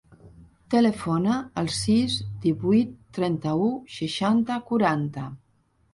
Telefona al sis, divuit, trenta-u, seixanta, quaranta.